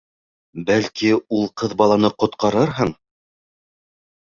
Бәлки, ул ҡыҙ баланы ҡотҡарырһың...